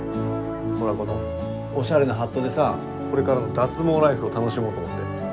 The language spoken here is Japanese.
ほらこのおしゃれなハットでさこれからの脱毛ライフを楽しもうと思って。